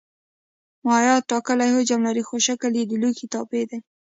مایعات ټاکلی حجم لري خو شکل یې د لوښي تابع دی.